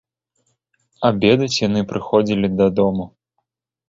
Абедаць яны прыходзілі дадому.